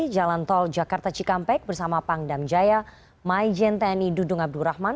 jalan tol jakarta cikampek bersama pangdam jaya maijen tni dudung abdurrahman